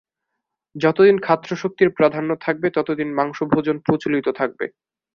যতদিন ক্ষাত্রশক্তির প্রাধান্য থাকবে, ততদিন মাংসভোজন প্রচলিত থাকবে।